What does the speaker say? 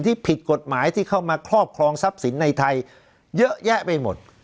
ที่ผิดกฎหมายที่เข้ามาครอบครองทรัพย์สินในไทยเยอะแยะไปหมด